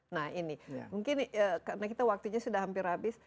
nah ini mungkin karena kita waktunya sudah hampir habis